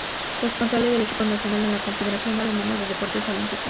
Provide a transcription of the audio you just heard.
Responsable del equipo nacional es la Confederación Alemana de Deportes Olímpicos.